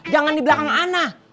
jangan di belakang ana